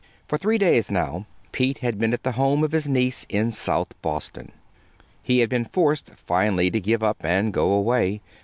For three days, now, Pete had been at the home of his niece in South Boston. He had been forced, finally, to give up and go away.